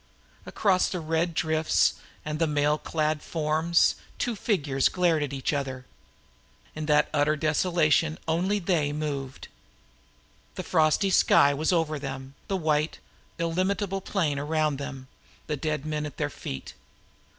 Across the red drifts and mail clad forms, two figures approached one another. In that utter desolation only they moved. The frosty sky was over them, the white illimitable plain around them, the dead men at their feet.